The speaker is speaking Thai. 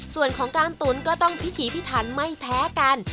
ส่วนของการตุ๋นก็ต้องพิถีพิถันไม่แพ้กัน